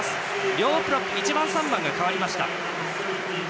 両プロップ１番と３番が代わりました。